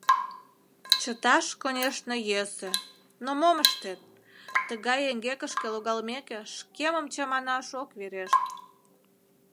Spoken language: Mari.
Чыташ, конешне, йӧсӧ, но мом ыштет: тыгай эҥгекышке логалмеке, шкемым чаманаш ок верешт.